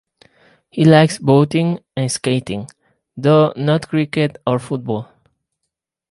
He likes boating and skating, though not cricket or football.